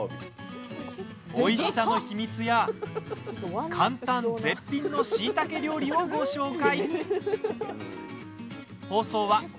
おいしさの秘密や簡単絶品のしいたけ料理をご紹介。